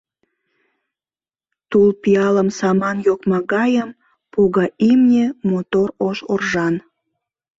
Тул пиалым, саман йокма гайым, Пога имне, мотор ош оржан.